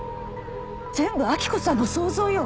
全部明子さんの想像よ。